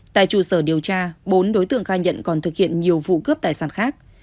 tại trụ sở điều tra bốn đối tượng khai nhận còn thực hiện nhiều vụ cướp tài sản khác